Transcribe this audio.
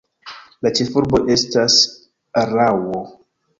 La ĉefurbo estas Araŭo.